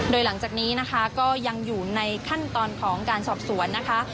โดยหลังจากนี้นะคะก็ยังอยู่ในขั้นตอนของการสอบสวนนะคะ